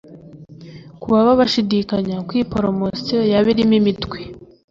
Ku baba bashidikanya ko iyi poromosiyo yaba irimo imitwe